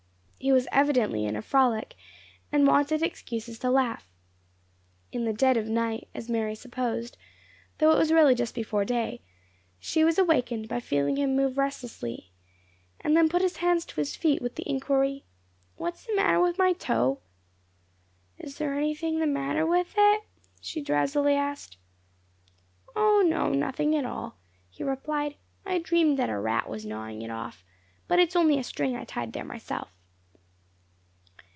He was evidently in a frolic, and wanted excuses to laugh. In the dead of night, as Mary supposed, though it was really just before day, she was awakened by feeling him move restlessly, and then put his hands to his feet with the inquiry: "What is the matter with my toe?" "Is there anything the matter with it!" she drowsily asked. "O, no, nothing at all," he replied. "I dreamed that a rat was gnawing it off. But it is only a string I tied there myself."